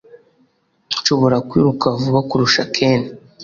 nshobora kwiruka vuba kurusha ken